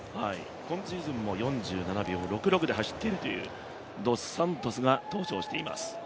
今シーズンも４７秒６６で走っているというドスサントスが登場しています。